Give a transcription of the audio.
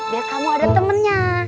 biar kamu ada temennya